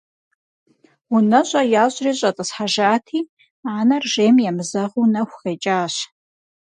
УнэщӀэ ящӀри щӀэтӀысхьэжати, анэр жейм емызэгъыу нэху къекӀащ.